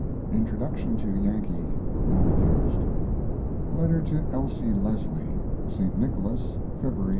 Introduction to YANKEE (not used). LETTER To ELSIE LESLIE St Nicholas, February, 1890.